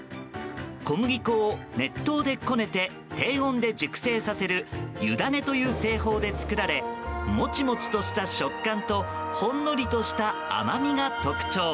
小麦粉を熱湯でこねて低温で熟成させる湯種という製法で作られモチモチとした食感とほんのりとした甘みが特徴。